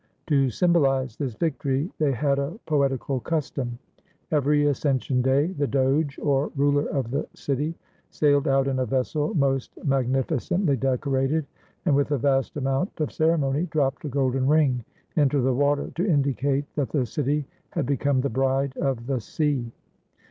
To symbolize this victory, they had a poetical custom. Every Ascension 33 ITALY Day the doge, or ruler of the city, sailed out in a vessel most magnificently decorated, and with a vast amount of ceremony dropped a golden ring into the water to indicate that the city had become the bride of the sea.